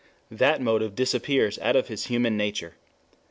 That motive disappears out of his human nature.